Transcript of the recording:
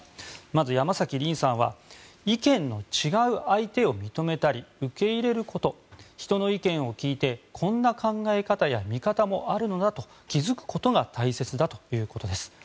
まず山崎鈴さんは意見の違う相手を認めたり受け入れること人の意見を聞いてこんな考え方や見方もあるのだと気付くことが大切だということです。